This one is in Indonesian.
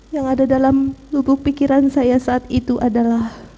yang ada dalam lubuk pikiran saya saat itu adalah